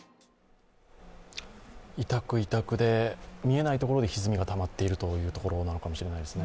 委託委託で、見えないところでひずみがたまっているというところなのかもしれないですね。